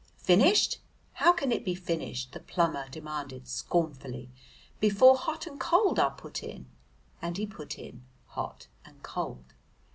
"Finished! how can it be finished," the plumber demanded scornfully, "before hot and cold are put in?" and he put in hot and cold.